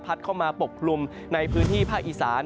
เข้ามาปกคลุมในพื้นที่ภาคอีสาน